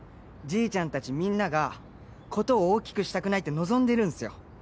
じいちゃんたちみんなが事を大きくしたくないって望んでるんすよ。